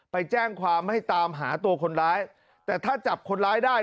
ไปแจ้งความให้ตามหาตัวคนร้ายแต่ถ้าจับคนร้ายได้